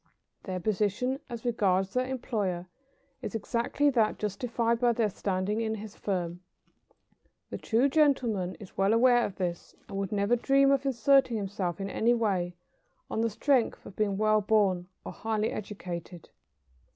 Their position, as regards their employer, is exactly that justified by their standing in his firm. The true gentleman is well aware of this, and would never dream of asserting himself in any way on the strength of being well born or highly educated.